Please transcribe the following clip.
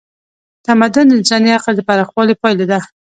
تمدن د انساني عقل د پراخوالي پایله ده.